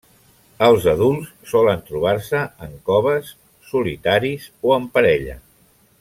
Els adults solen trobar-se en coves, solitaris o en parella.